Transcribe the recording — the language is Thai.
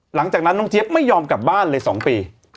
หลังจากนั้นน้องเจี๊ยบไม่ยอมกลับบ้านเลย๒ปี